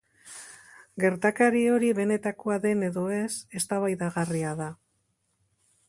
Gertakari hori benetakoa den edo ez, eztabaidagarria da.